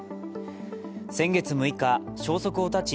先月６日消息を絶ち